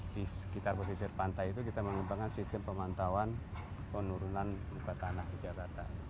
di sekitar pesisir pantai itu kita mengembangkan sistem pemantauan penurunan muka tanah di jakarta